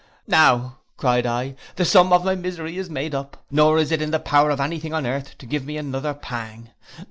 'Now,' cried I, 'the sum of my misery is made up, nor is it in the power of any thing on earth to give me another pang.